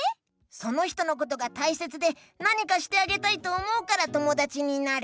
その人のことがたいせつでなにかしてあげたいと思うから友だちになる。